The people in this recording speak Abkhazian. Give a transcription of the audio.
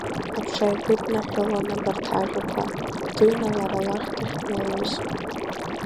Аԥша игәыднаҳәҳәалон абарҭ ажәақәа, дыҩны лара лахь дахьнеиуаз.